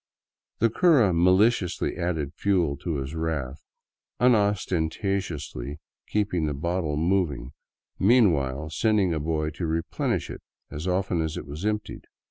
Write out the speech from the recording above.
The cura maliciously added fuel to his wrath, unostentatiously keeping the bottle moving meanwhile, sending a boy to replenish it as often as it was emptied.